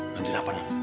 maksudnya apa non